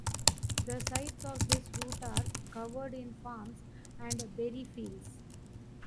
The sides of this route are covered in farms and berry fields.